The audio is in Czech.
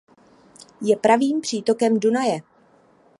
Je pravým přítokem Dunaje.